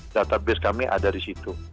database kami ada di situ